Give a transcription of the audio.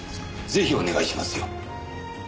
ぜひお願いしますよ。